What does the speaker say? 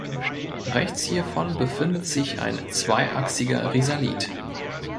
Rechts hiervon befindet sich ein zweiachsiger Risalit.